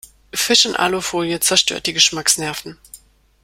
Fisch in Alufolie zerstört die Geschmacksnerven.